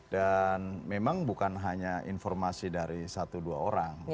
dan memang bukan hanya informasi dari satu dua orang